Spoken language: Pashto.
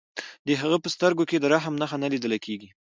د هغه په سترګو کې د رحم نښه نه لیدل کېده